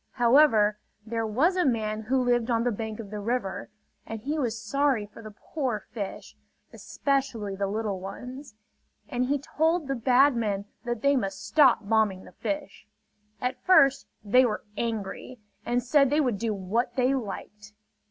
However, there was a man who lived on the bank of the river; and he was sorry for the poor fish, especially the little ones; and he told the bad men that they must stop bombing the fish. At first they were angry and said they would do what they liked.